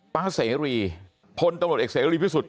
ภาษาเสรีพลตรอเอกเสรีพิสุทธิ์